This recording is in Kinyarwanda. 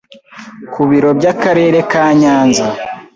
ku biro by’akarere ka nyanza